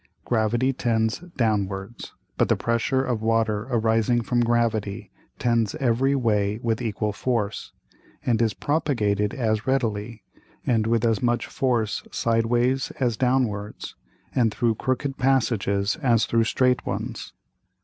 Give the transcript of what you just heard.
Gravity tends downwards, but the Pressure of Water arising from Gravity tends every way with equal Force, and is propagated as readily, and with as much force sideways as downwards, and through crooked passages as through strait ones.